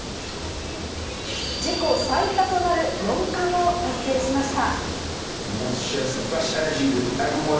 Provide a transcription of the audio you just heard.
自己最多となる４冠を達成しました。